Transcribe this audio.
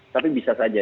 tapi bisa saja